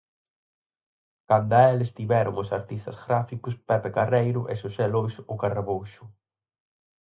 Canda el estiveron os artistas gráficos Pepe Carreiro e Xosé Lois 'O Carrabouxo'.